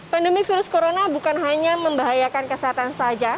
pandemi virus corona bukan hanya membahayakan kesehatan saja